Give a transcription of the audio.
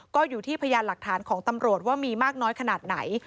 ก็อยู่ที่พยานหลักฐานของตำรวจว่ามีมากน้อยขนาดไหน